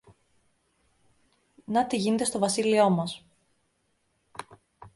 Να τι γίνεται στο βασίλειο μας!